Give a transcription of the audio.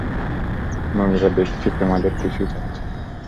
মমিরা দেখছি তোমাদের পিছু ছাড়ছেই না!